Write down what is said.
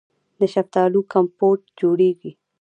د شفتالو کمپوټ جوړیږي.